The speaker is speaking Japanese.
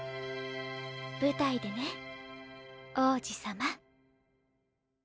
舞台でね王子様。